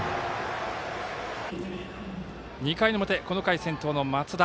２回の表、この回先頭の松田。